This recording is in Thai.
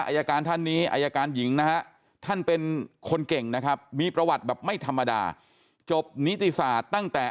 อายการท่านนี้อายการหญิงนะฮะท่านเป็นคนเก่งนะครับมีประวัติแบบไม่ธรรมดาจบนิติศาสตร์ตั้งแต่